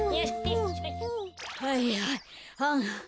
はいはいはあ。